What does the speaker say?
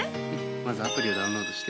まずアプリをダウンロードして。